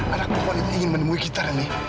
ada pemanah yang ingin menemui kita leni